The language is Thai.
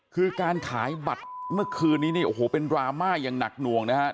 คือการขายบัตรมาคืนนี้เป็นรามาอย่างหนักหน่วงนะครับ